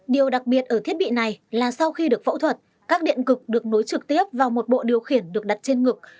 điều đặc biệt ở thiết bị này là sau khi được phẫu thuật các điện cực được nối trực tiếp vào một bộ điều khiển được đặt trên ngực